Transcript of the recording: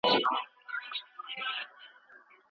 په ځانګړې مانا سياسي فکر په لرغوني يونان کي پيل سو.